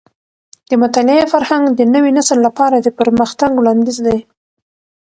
د مطالعې فرهنګ د نوي نسل لپاره د پرمختګ وړاندیز دی.